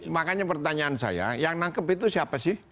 makanya pertanyaan saya yang nangkep itu siapa sih